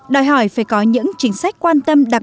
đòi hỏi phải có những chính sách quan tâm